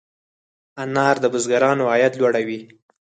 انار د بزګرانو عاید لوړوي.